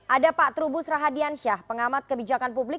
ada pak trubus rahadian syah pengamat kebijakan publik